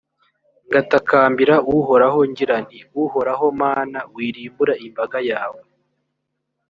ngatakambira uhoraho ngira nti «uhoraho mana, wirimbura imbaga yawe